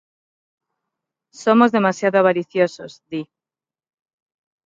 Somos demasiado avariciosos, di.